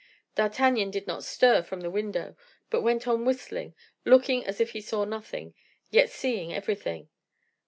D'Artagnan did not stir from the window, but went on whistling, looking as if he saw nothing, yet seeing everything.